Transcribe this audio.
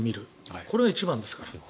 これが一番ですから。